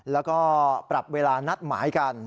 แล้วก็ปรับเวลานัดหมายกัน